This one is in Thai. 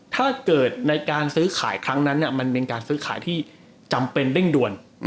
ถ้าเกิดในการซื้อขายครั้งนั้นมันเป็นการซื้อขายที่จำเป็นเร่งด่วน